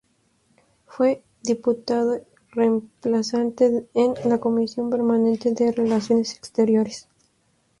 Fue diputado reemplazante en la Comisión Permanente de Relaciones Exteriores.